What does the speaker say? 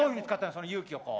その勇気をこう。